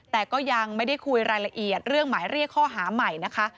แต่ก็ยังไม่ได้คุยรายละเอียดเรื่องหมายเรียกข้อหาใหม่นะคะ